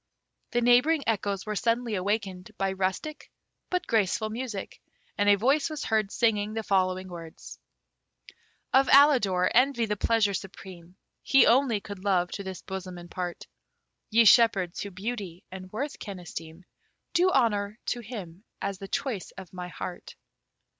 The neighbouring echoes were suddenly awakened by rustic, but graceful, music, and a voice was heard singing the following words: Of Alidor, envy the pleasure supreme, He only could love to this bosom impart; Ye shepherds, who beauty and worth can esteem, Do honour to him as the choice of my heart.